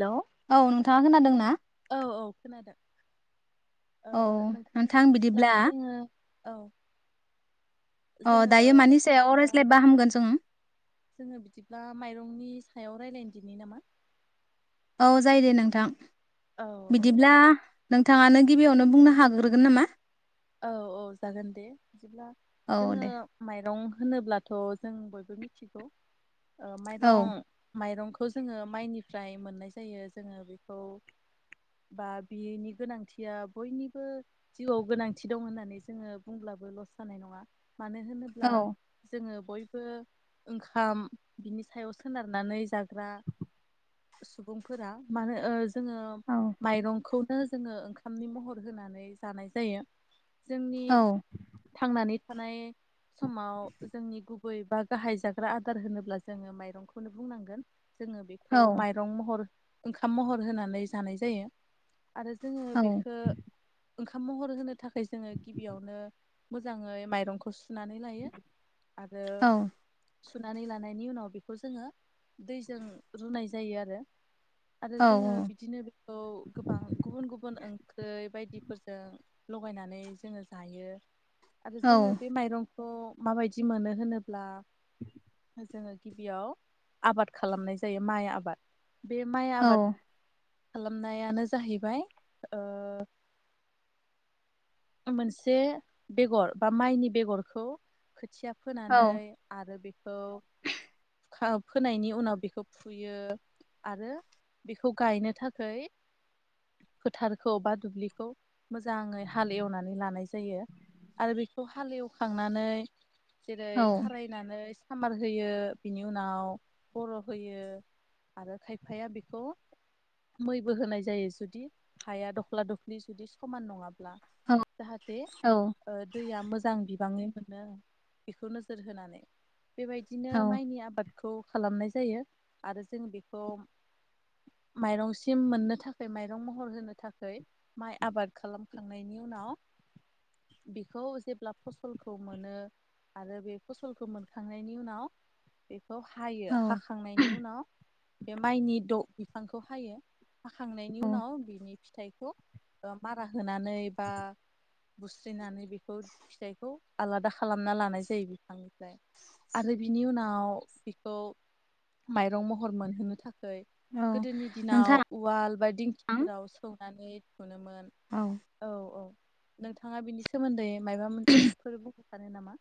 हेल' औ नोंथाङा खोनादोंना? औ औ खोनादों ओ औ नोंथां बिदिब्ला जोङो औ अ जोङो दायो मानि सायाव बिदिब्ला रायज्लायबा हामगोन जों जोङो बिदिब्ला माइरंनि सायाव रायज्लाय दिनि नामा औ जायो दे नोंथां औ औ बिदिब्ला नों थाङानो गिबियावनो बुंनो हाग्रोगोन नामा? औ औ जागोन दे बिदिब्ला औ जोङो दे माइरं होनोब्लाथ' जों बयबो मिथिगौ ओ औ माइरं माइरंखौ खौ जोङो माइनिफ्राय मोननाय जायो जोङो बेखौ बा बिनि गोनांथिया बयनिबो जिउआव गोनां थि दं होननानै जोङो बुंब्लाबो लस जानाय नङा मानो औ होनोब्ला जोङो बयबो ओंखाम बिनि सायाव सोनारनानै जाग्रा सुबुंफोरा मानो ओ जोङो औ माइरंखौ नो जोङो ओंखामनि महर होनानै जानाय जायो। जोंनि औ थांनानै थानाय समाव जोंनि गुबै बा गाहाय जाग्रा आदार होनोब्ला जोङो माइरंखौनो बुंनांगोन। जोङो बेखौ औ माइरं महर ओंखाम महर होनानै जानाय जायो। आरो जोङो औ बेखो ओंखाम महर होनो था खाय जोङो गिबियावनो मोजाङै माइरंखौ सुनानै लायो। आरो औ सुनानै लानायनि उनाव बेखौ जोङो दैजों रुनाय जायो आरो। आरो औ जोङो बिदिनो बेखौ गोबां गुबुन गुबुन ओंख्रै बायदिफोरजों लगायनानै जोङो जायो। आरो औ जोङो बे माइरं खौ माबायदि मोनो होनोब्ला [inaudible] जोङो गिबियाव आबाद खालामनाय जायो माइ आबाद। बे माइ आबाद औ खालामनायानो जाहैबाय ओ मोनसे बेगर बा माइनि बेगरखौ खोथिया फोनानै आरो बे खौ फोनायनि उनाव बेखौ फुयो आरो बेखौ गायनो थाखाय फोथारखौ बा दुब्लिखौ मोजाङै हाल एवनानै लानाय जायो। आरो बेखौ हाल एवखांनानै जेरै औ खारायनानै खामार होयो बिनि उनाव बर' होयो आरो खायफाया बेखौ मैबो होनाय जायो जुदि हाया दख्ला दफ्लि जुदि समान नङा ब्ला। जाहाथे दैया मोजां बि बाङै मोनो बेखौ नोजोर होनानै। बेबायदिनो औ माइनि आबाद खौ खालामनाय जायो। आरो जों बेखौ माइरंसिम मोननो थाखाय माइरं महर होनो थाखाय माइ आबाद खालाम खांनायनि उनाव बेखौ जेब्ला फसलखौ मोनो आरो बे फसलखौ मोनखांनायनि उनाव बे खौ हायो औ हाखांनायनि उनाव बे माइनि द बिफांखौ हायो। हाखांनायनि उनाव बिनि - फिथाइखौ ओ मारा हो होनानै बा बुस्रिनानै बेखौ फिथाइखौ आलादा खालामना लानाय जायो बिफांनिफ्राय। आरो बिनि उनाव बेखौ माइरं महर मोनहोनो था औ गोदोनि दिनाव नोंथां उवाल बा दिंखिफोराव सौ नानै थुनोमोन औ औ नोंथाङा बिनि सोमोन्दै मायबा मोन फोर बुं सानो नामा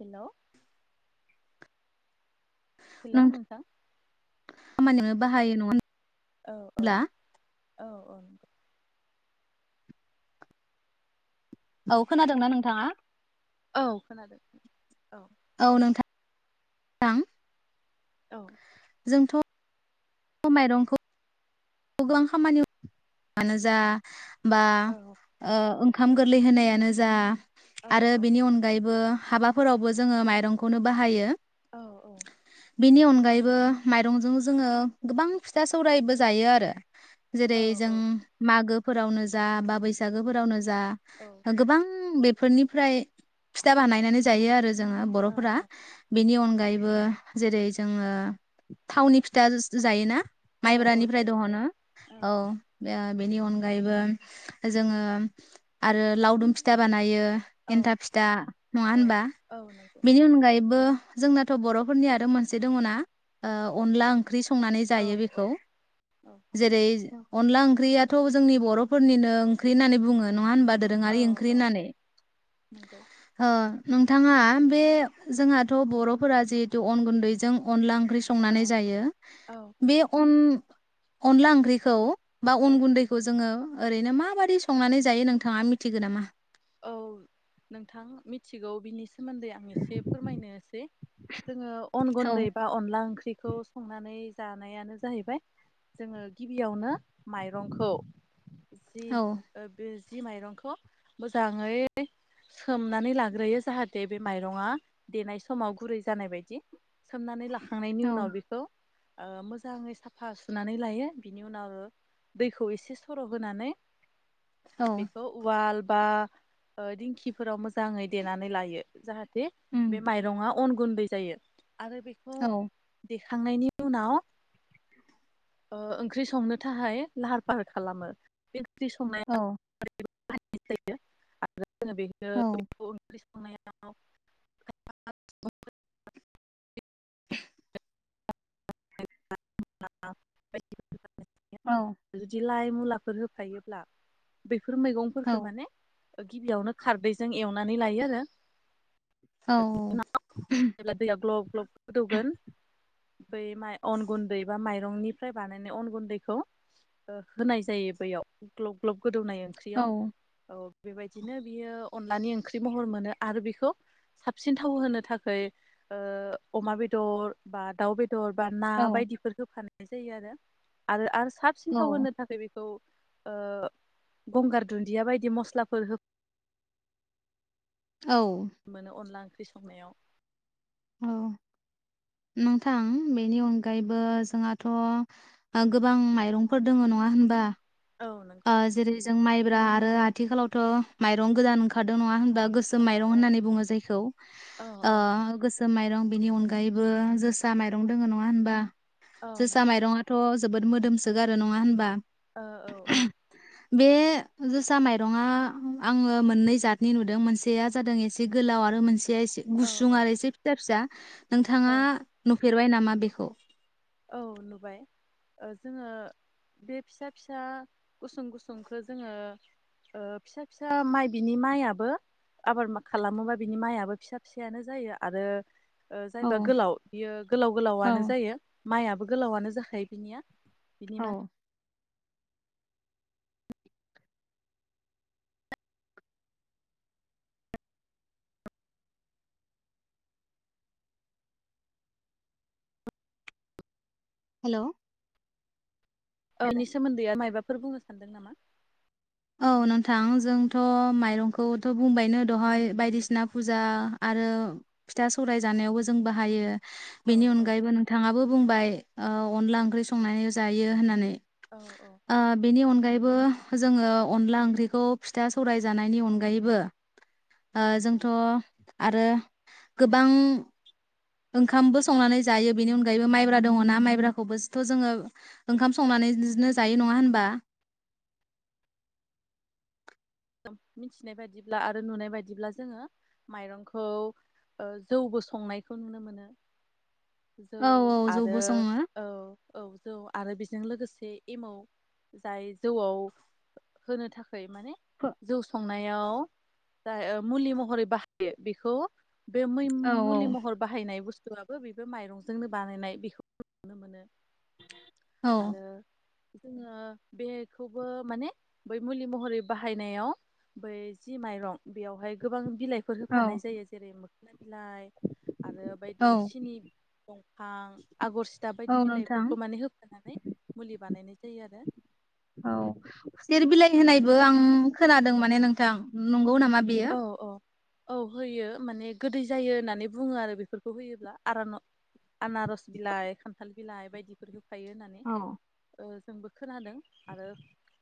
हेल' हेल' नोंथां खामानिबो बाहायो नङा होन‌ औ औ औ औ औ खोनादोंना नोंथाङा? औ खोनादों औ औ नोंथां‌ औ जोंथ' थ माइरंखौ गोबां खामानियाव मानो जा बा औ ओ ओंखाम गोरलै होनायानो जा औ आरो औ बेनि अनगायैबो हाबाफोरावबो जोङो माइरंखौनो बाहायो। औ औ बेनि अनगायैबो माइरंजों जोङो गोबां फिथा सौरायबो जायो आरो आरो औ जेरै जों मागो फोरावनो जा बा बैसागोफोरावनो ज बा ओ औ गोबां फोरनिफ्राय फिथा बानायनानै जायो आरो जोङो बर'फोरा औ बेनि अन अनगायैबो जेरै जोङो थावनि फिथा जायोना औ औ माइब्रानिफ्राय जायो जायो दङना औ ओ बेनि अनगायैबो जोङो आरो लावदुम फिथा बानायो। औ एन्था फिथा नङा औ होनबा? औ नंगौ बेनि अनगायैबो जोंनाथ' बर'फोरनि आरो मोनसे दङना औ ओ अनला ओंख्रि संनानै औ जायो औ बेखौ औ जेरै अनला ओंख्रियाथ' जोंनि बर'फोरनिनो ओंख्रि होननानै बुङो नङा होनबा? औ दोरोङारि ओंख्रि औ होननानै नंगौ ओ नोंथाङा बे जोंहाथ' बर'फोरा जिहेथु अन गुन्दैजों अनला ओं ओंख्रि औ संनानै जायो औ बे अन अनला ओंख्रिखौ बा औ अन गुन्दैखौ जोङो ओरैनो माबादि संनानै जायो नोंथाङा मिथिगौ नामा? औ नोंथां मिथिगौ बिनि सोमोन्दै आं एसे फोरमायनोसै जोङो अन औ गुन्दै बा अनला ओंख्रिखौ संनानै जानायानो जाहैबाय जोङो गिबियावनो माइरंखौ जि औ ओ बेस जि माइरंखौ मोजाङै सोमनानै लाग्रोयो जाहाथे बे माइरङा देनाय समाव गुरै जानाय बायदि। सोमनानै लाखांनायनि औ उनाव बेखौ ओ मोजाङै साफा सुनानै लायो बिनि उनाव दैखौ एसे सर' होनानै औ बेखौ उवाल बा ओ दिंखिफोराव मोजाङै देनानै लायो जाहाथे थे बे मायरङाव अन गुन्दै जायो। आरो बेखौ औ दे खांनायनि उनाव ओ ओंख्रि संनो थाखाय लाहार फाहार खालामो। ओंख्रि औ संनाया [unintelligible] [unintelligible] जों औ बेखौ [unintelligible] [unintelligible] [unintelligible] बिदि लाय मुलाफोर होफायोब्ला बेफोर मैगंफोरखो माने गिबियावनो खारदैजों एवनानै लायो आरो। औ जेब्ला दैया ग्लब ग्लब गोदौगोन बै माइ अन गुन्दै बा माइरंनिफ्राय बानायनाय अन गुन्दैखौ ओ होनाय जायो बैयाव ग्लब ग्लब। गोदौनाय औ ओंख्रियाव औ। बेबायदिनो बियो अनलानि ओंख्रि महर मोनो आरो बेखौ साबसिन थाव होनो था खाय ओ अमा बेदर बा दाउ बेद बेदर बा ना बायदिफोर होफा जायो आरो आरो आरो साबसिन औ थाव होनो थाखाय बेखौ औ ओ गंगार दुन्दिया बायदि मस्लाफोर हो औ मोनो अनला ओंख्रि ओंख्रि संनायाव औ नोंथां बेनि अनगायैबो जोंहाथ' ओ गोबां माइरंफोर दङ नङा होनबा? औ नंगौ आ जेरै जों माइब्रा ओ आरो आथिखालावथ' माइरं गोदान ओंखारदों नङा होन बा गोसोम औ माइं औ होननानै बुङो जायखौ औ ओ औ गोसोम सोम माइरं बिनि अनगायैबो जोसा माइरं दोङ नङा होनबा? औ जोसा नंगौ माइरंङाथ ज जोबोद मोदोमसोगारो नङा होनबा ओ औ औ बे जोसा माइरंङा आङो मोननै जादनि नुदों मोनसेया जादों एसे गोलाव आरो मो नसेया औ गुसुं औ आरो एसे फिसा फिसा औ नोंथाङा नु फेरबाय नामा बेखौ औ नुबाय ओ जोङो बे फिसा फिसा गुसुं गुसुंखो जोङो ओ फिसा फिसा माइ बिनि माइयाबो आबाद खालामोबा बिनि माइयाबो फिसा फिसायानो जायो आरो ओ औ जायबा गोलाव बियो गोलाव गोलावानो जायो। माइयाबो गोलावानो जाखायो बिनिया बिनि औ मा हेलौ औनि सोमोन्दैया मायबा फोर बुंनो सानदों नामा? औ नोंथां जोंथ' माइरंखौथ' बुंबायनो दहय बायदिसिना फुजा आरो फिथा सौराय जानायावबो जों बाहायो। औ बेनि औ अनगायैबो नोंथाङाबो बुंबाय ओ अनला ओंख्रि संनानै जायो होननानै औ औ ओ बेनि अनगायै बो जोङो अनला ओंख्रिखौ फिथा सौराय जानायनि अनगायैबो ओ औ जोंथ' आरो गोबां ओंखामबो संनानै जायो बेनि अनगायैबो माइब्रा दङना माइब्राखौबोसथ' जोङो ओंखाम संनानैजनो जायो नङा होनबा मिथिनाय बायदिब्ला आरो नुनाय बायदिब्ला जोङो माइरंखौ ओ जौबो संनायखौ नुनो मोनो जौ औ औ आरो जौबो सङो औ औ जौ आरो बिस जों लोगोसे एमाव जाय जौआव होनो थाखै माने औ जौ संनायाव जाय ओ मुलि महरै बाहायो बिखौ बे मै मुलि औ महर बाहायनाय बुस बुस्थुआबो बेबो माइरंजोंनो बानायनाय बेखौ नुनो मोनो आरो जोङो बेखौबो माने बै मुलि महरै बाहा फायनायाव बै जि माइरं बेयावहाय गोबां बिलाइफोर औ होफानाय जायो जेरै मो बिलाइ आरो औ बायदि सिनि दंफां आगर सिटा औ बायदि नोंथां बिलाइफोरखौ माने होफानानै मुलि बानायनाय जायो आरो औ खुसेर बिलाइ औ। होनायबो आं खोनादों माने नोंथां नंगौ नामा बेयो औ औ औ होयो माने गोदै जायो होननानै बुङो आरो बेफोरखौ होयोब्ला आरान आनारस बिलाइ खान्थाल बिलाइ बायदिफोरखौ थायो होननानै औ जोंबो खोनादों आरो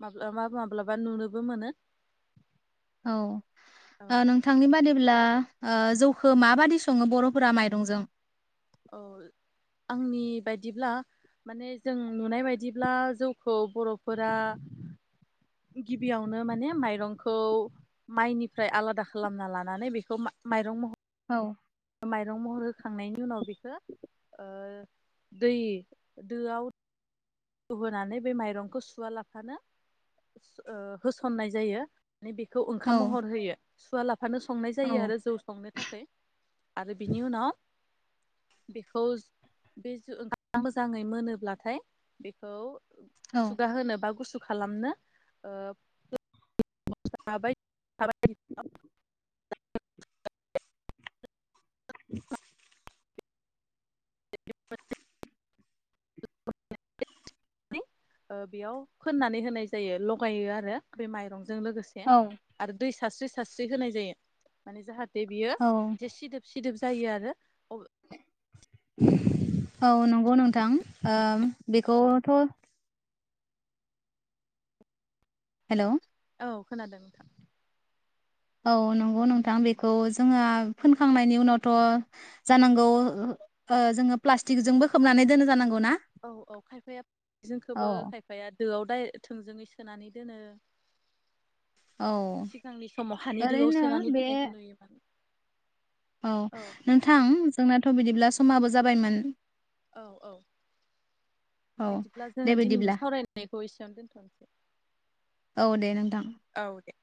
माब्लाबा माब्लाबा नुनोबो मोनो। औ औ नोंथांनि बादिब्ला जौखो माबादि सङो बर'फोरा माइरंजों औ आंनि बायदिब्ला माने जों नुनाय बायदिब्ला जौखौ बर'फोरा गिबियावनो माने माइरंखौ माइनिफ्राय आलादा खालामना लानानै बेखौ माइरं महर औ माइरं महर होखांनायनि उनाव बेखौ दै दोआव रुहोनानै बे माइरंखौ सुवा लाफानो होसननाय जायो। माने बेखौ ओंखाम औ महर होयो। सुवाला फानो संनाय औ जायो आरो जौ संनो थाखाय आरो बिनि उनाव बेखौ बेजों ओंखाम मोजाङै मोनोब्लाथाय बेखौ औ सुगा होनो बा गुसु खालामनो। [unintelligible] [unintelligible] [unintelligible] बेयाव फोननानै होनाय जायो लगायो आरो बे माइरंजों लोगोसे औ आरो दै। सास्रि सास्रि होनाय जायो माने जाहा थे बियो औ एसे सिदोब सि दोब जायो आरो। औ नंगौ नोंथां ओम बेखौथ' हेलौ। औ खोनादों नोंथां। औ नंगौ नोंथां बेखौ जोंहा फोनखांनायनि उनावथ' जानांगौ ओ जोङो प्लास्टिकजोंबो खोबनानै दोनो जानां औ औ खायफाया जों औ खोबो खायफाया दोआव दाय थोंजोङै सो सोनानै दोनो। औ सिगांनि समाव हानि दोआव ओरैनो सोनानै बे दोननायखौ नुयोमोन। औ नोंथां जोंनाथ' बिदिब्ला समाबो जाबायमोन। औ औ औ बिदिब्ला दे जोङो दिनैनि बिदिब्ला सावरायनायखौ एसेबां दोनथ'नोसै औ दे नोंथां। औ दे।